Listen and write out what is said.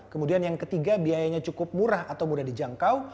kemudian yang ketiga biayanya cukup murah atau mudah dijangkau